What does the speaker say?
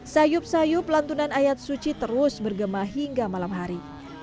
sayup sayup lantunan ayat suci terus bergema hingga malam hari